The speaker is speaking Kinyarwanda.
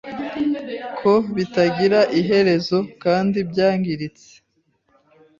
ko bitagira iherezo kandi byangiritse